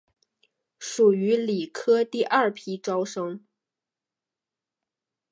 属于理科第二批招生。